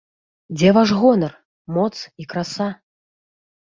Дзе ваш гонар, моц і краса?